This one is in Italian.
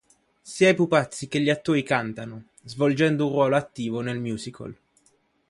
Sia i pupazzi che gli attori cantano, svolgendo un ruolo attivo nel musical.